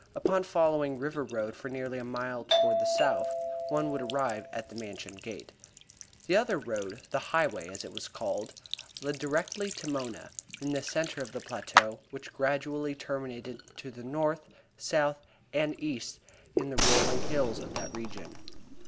Upon following River Road for nearly a mile toward the south one would arrive at the Mansion gate. The other road the Highway, as it was called led directly to Mona, in the centre of the plateau which gradually terminated to the north, south and east in the rolling hills of that region.